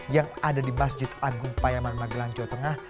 yang ada di masjid agung payaman magelanjo tengah